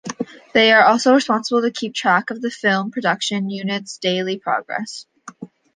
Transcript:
They are also responsible to keep track of the film production unit's daily progress.